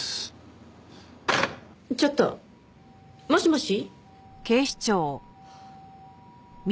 ちょっともしもし？